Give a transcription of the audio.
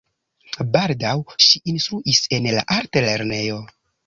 Baldaŭ ŝi instruis en la altlernejo.